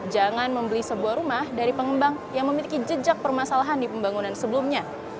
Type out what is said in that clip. jangan membeli sebuah rumah dari pengembang yang memiliki jejak permasalahan di pembangunan sebelumnya